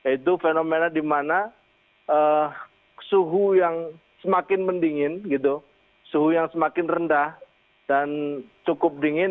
itu fenomena di mana suhu yang semakin mendingin gitu suhu yang semakin rendah dan cukup dingin